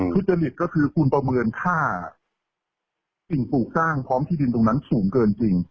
ทุจริตก็คือคุณประเมินค่าสิ่งปลูกสร้างพร้อมที่ดินตรงนั้นสูงเกินจริง